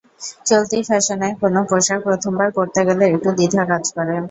চলতি ফ্যাশনের কোনো পোশাক প্রথমবার পরতে গেলে একটু দ্বিধা কাজ করে।